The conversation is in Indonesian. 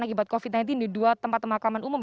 akibat covid sembilan belas di dua tempat pemakaman umum